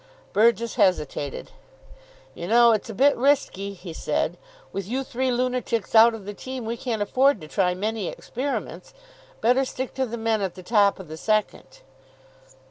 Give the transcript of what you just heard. Burgess hesitated. "You know, it's a bit risky," he said. "With you three lunatics out of the team we can't afford to try many experiments. Better stick to the men at the top of the second."